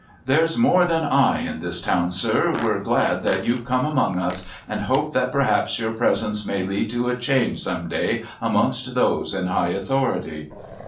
"There's more than I in this town, sir, who're glad that you've come among us, and hope that perhaps your presence may lead to a change some day amongst those in high authority."